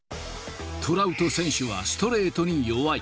トラウト選手はストレートに弱い。